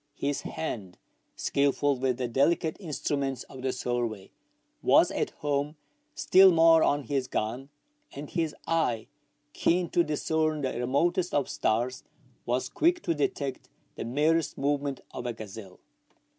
His hand, skilful with the delicate instruments of the survey, was at home still more on his gun ; and his eye, keen to discern the remotest of stars, was quick to detect the njierest movement of a gazelle.